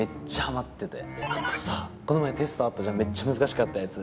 あとさこの前テストあったじゃんめっちゃ難しかったやつ。